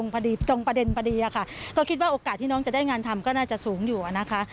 พอดีตรงประเด็นพอดีค่ะก็คิดว่าโอกาสที่น้องจะได้งานทำก็น่าจะสูงอยู่นะคะ